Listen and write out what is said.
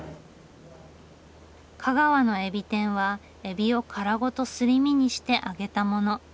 香川のえびてんはえびを殻ごとすり身にして揚げたもの。